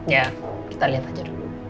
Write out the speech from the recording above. ya kita lihat aja dulu